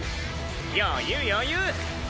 余裕余裕。